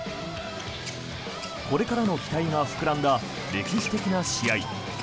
これからの期待が膨らんだ歴史的な試合。